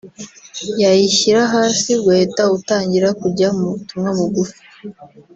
yayishyira hasi ugahita utangira kujya mu butumwa bugufi